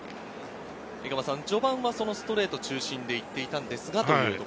序盤はストレート中心で行っていたんですが。